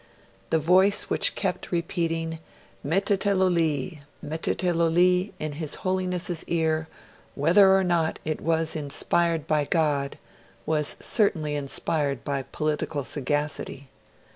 The voice which kept repeating 'Mettetelo li, mettetelo li' in his Holiness's ear, whether or not it was inspired by God, was certainly inspired by political sagacity.